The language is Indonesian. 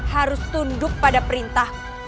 harus tunduk pada perintah